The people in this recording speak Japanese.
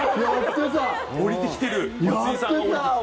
降りてきてる！